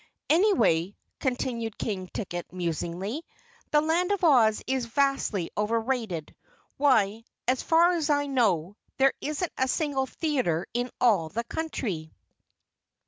"Anyway," continued King Ticket musingly, "the Land of Oz is vastly over rated. Why, as far as I know, there isn't a single theater in all the country!"